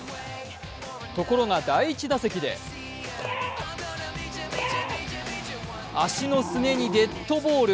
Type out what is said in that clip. ところが第１打席で足のすねにデッドボール。